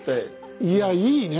いやいいね。